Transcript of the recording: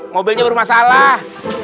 mobilnya berumah salah